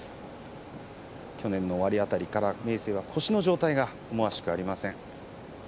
去年の終わり辺りから明生は腰の状態が思わしくありません。